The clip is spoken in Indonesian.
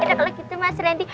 enak lah gitu mas rendy